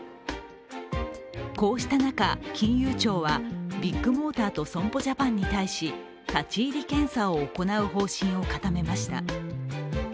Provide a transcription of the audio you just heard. こうした中、金融庁はビッグモーターと損害保険ジャパンに対し、立ち入り検査を行う方針を固めました。